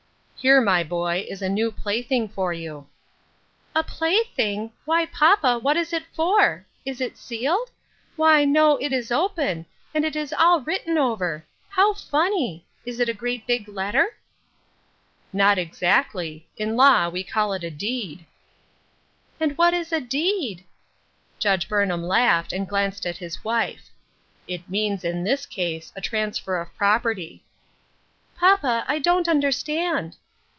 " Here, my boy, is a new plaything for you." " A plaything ! Why, papa, what is it for ? Is it sealed ? Why, no, it is open, and it is all written over. How funny ! Is it a great big letter ?"" Not exactly ; in law we call it a deed." "And what is a deed ?" Judge Burnham laughed, and glanced at his wife. " It means, in this case, a transfer of property." " Papa, I don't understand."